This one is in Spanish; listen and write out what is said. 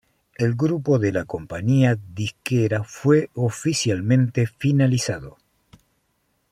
El grupo de la compañía disquera fue oficialmente finalizado.